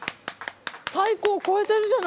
最高超えてるじゃない！